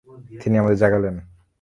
তিনি আমাদেরকে জাগালেন।